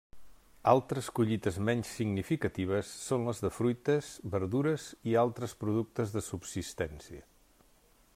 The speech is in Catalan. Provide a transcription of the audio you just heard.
Altres collites menys significatives són les de fruites, verdures i altres productes de subsistència.